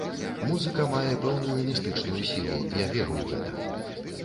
Музыка мае пэўную містычную сілу, я веру ў гэта.